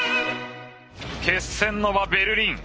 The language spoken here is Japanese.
決戦の場ベルリン。